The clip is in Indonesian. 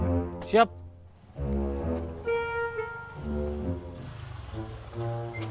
menurut omong untuk kelihatan prole terseram